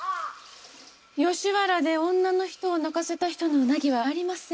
吉原で女の人を泣かせた人のうなぎはありません。